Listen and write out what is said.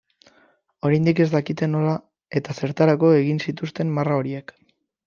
Oraindik ez dakite nola eta zertarako egin zituzten marra horiek.